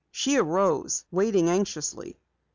She arose, waiting anxiously.